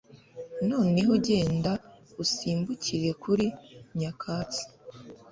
noneho genda usimbukire kuri nyakatsi